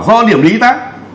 do điểm lý tăng